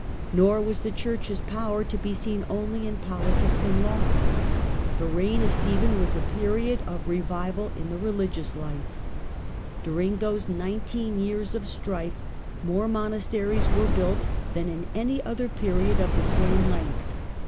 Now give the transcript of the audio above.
Nor was the church's power to be seen only in politics and law. The reign of Stephen was a period of revival in the religious life. The growth I^uring those nineteen years of strife, more ofthemon monasteries were built than in any other astenes. pgnod of the same length.